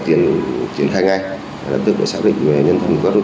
tỉnh hình an ninh trả tự đặc biệt là tệ nạn xã hội